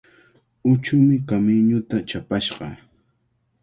Huchumi kamiñuta chapashqa.